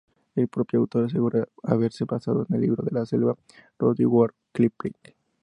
El propio autor asegura haberse basado en "El libro de la selva", Rudyard Kipling.